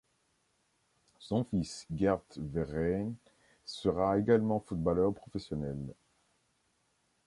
Son fils Gert Verheyen sera également footballeur professionnel.